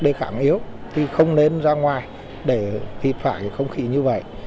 để khẳng yếu thì không nên ra ngoài để hịt phải không khí như vậy